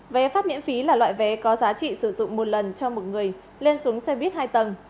vé phát miễn phí là loại vé có giá trị sử dụng một lần cho một người lên xuống xe buýt hai tầng